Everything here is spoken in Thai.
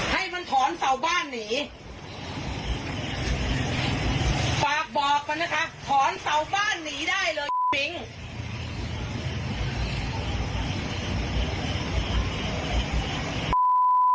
ให้มันถอนเสาบ้านหนีฝากบอกมันนะครับถอนเสาบ้านหนีได้เลยปิ๊ง